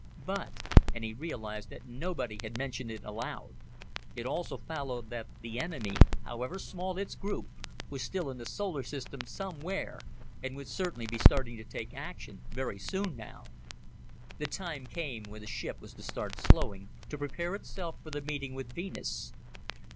But and he realized that nobody had mentioned it aloud it also followed that the enemy however small its group was still in the solar system somewhere and would certainly be starting to take action very soon now. The time came when the ship was to start slowing, to prepare itself for the meeting with Venus.